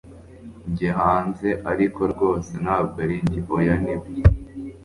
njye hanze, ariko rwose ntabwo arinjye. oya, nibyo